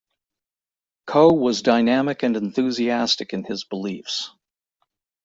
Coe was dynamic and enthusiastic in his beliefs.